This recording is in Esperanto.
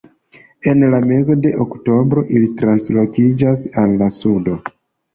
En la mezo de oktobro ili translokiĝas al la sudo.